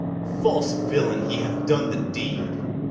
false villain, he hath done the deed.